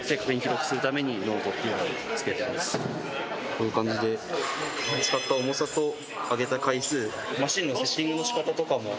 こういう感じで使った重さと上げた回数マシンのセッティングの仕方とかも。